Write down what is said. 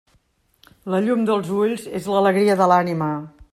La llum dels ulls és l'alegria de l'ànima.